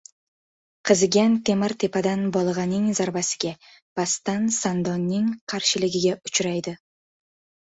qizigan temir tepadan bolg‘aning zarbasiga, pastdan sandonning karshiligiga uchraydi.